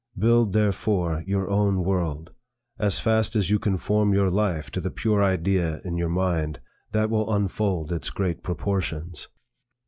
Build, therefore, your own world. As fast as you conform your life to the pure idea in your mind, that will unfold its great proportions.